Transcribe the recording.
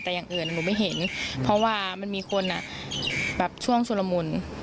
แต่อย่างอื่นหนูไม่เห็นเพราะว่ามันมีคนแบบช่วงชุลมุน